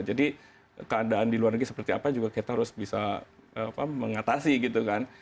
jadi keadaan di luar negeri seperti apa juga kita harus bisa apa mengatasi gitu kan